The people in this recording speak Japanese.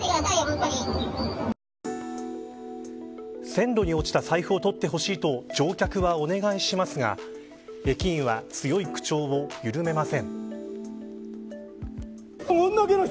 線路に落ちた財布を取ってほしいと乗客はお願いしますが駅員は強い口調を緩めません。